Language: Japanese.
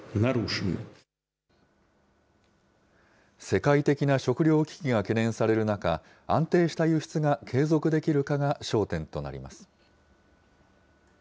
世界的な食料危機が懸念される中、安定した輸出が継続できるかが焦点となります。